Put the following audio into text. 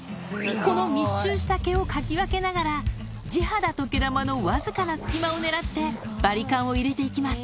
この密集した毛をかき分けながら、地肌と毛玉の僅かな隙間をねらって、バリカンを入れていきます。